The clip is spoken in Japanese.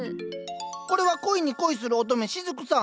これは恋に恋する乙女しずくさん。